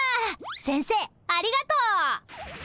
先生ありがとう。